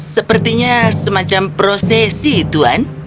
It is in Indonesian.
sepertinya semacam prosesi tuan